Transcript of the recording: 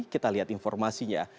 kita lihat informasinya